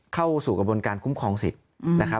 เข้าสู่กระบวนการคุ้มครองสิทธิ์นะครับ